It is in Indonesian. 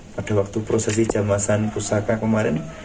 pada waktu prosesi jamasan pusaka kemarin